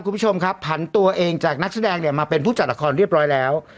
คุณผู้ชมครับผันตัวเองจากนักแสดงเนี่ยมาเป็นผู้จัดละครเรียบร้อยแล้ว